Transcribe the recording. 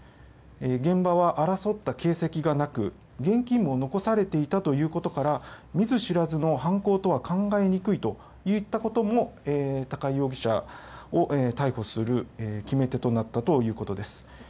現場は争った形跡がなく現金も残されていたということから見ず知らずの犯行とは考えにくいといったことも高井容疑者を逮捕する決め手となったということです。